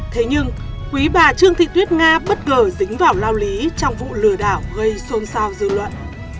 thế nhưng quý bà trương thị tuyết nga bất ngờ dính vào lao lý trong vụ lừa đảo gây xôn xao dư luận